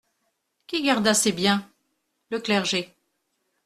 Qui garda ses biens ? le Clergé.